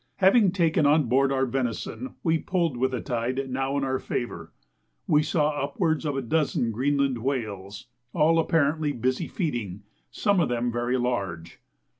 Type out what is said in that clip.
Having taken on board our venison, we pulled with the tide now in our favour. We saw upwards of a dozen Greenland whales, all apparently busy feeding, some of them very large.